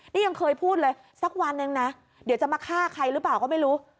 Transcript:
นี่ยังเคยพูดเลยสักวันหนึ่งนะเดี๋ยวจะมาฆ่าใครหรือเปล่าก็ไม่รู้